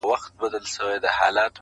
چي څرنگه د ژوند موسيقي ستا ده په وجود کي